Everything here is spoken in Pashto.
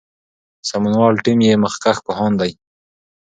سمونوال ټیم یې مخکښ پوهان دي.